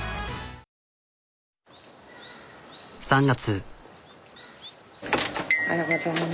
３月。